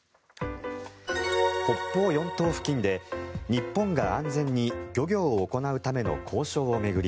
北方四島付近で日本が安全に漁業を行うための交渉を巡り